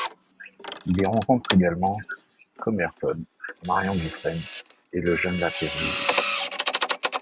Il y rencontre également Commerson, Marion-Dufresne, et le jeune Lapérouse.